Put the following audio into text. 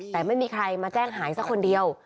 แต่ไม่มีใครมาแจ้งหายสักคนเดียว